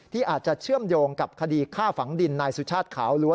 ที่อาจจะเชื่อมโยงกับคดีฆ่าฝังดินนายสุชาติขาวลั้